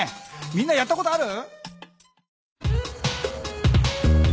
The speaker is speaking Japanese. みんなやったことある？